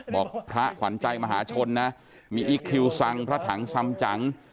บอกพระขวัญใจมหาชนนะมีอีคคิวซังพระถังซำจัง